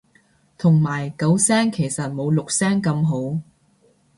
同埋九聲其實冇六聲咁好